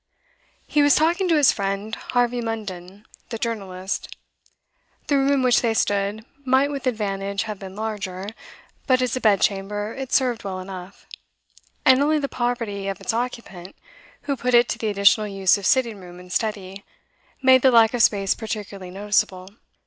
He was talking to his friend Harvey Munden, the journalist. The room in which they stood might with advantage have been larger, but as a bed chamber it served well enough, and only the poverty of its occupant, who put it to the additional use of sitting room and study, made the lack of space particularly noticeable.